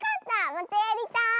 またやりたい！